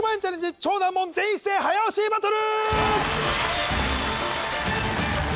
超難問全員一斉早押しバトル